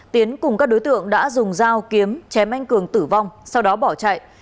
tiến cùng các đối tượng đã dùng dao kiếm chém anh cường tử vong sau đó bỏ chạy